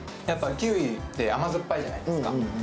やっぱりキウイって甘酸っぱいじゃないですか。